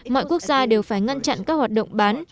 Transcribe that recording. mọi quốc gia đều phải ngăn chặn các hoạt động bán